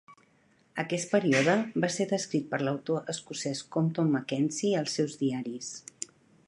Aquest període va ser descrit per l'autor escocès Compton Mackenzie als seus diaris.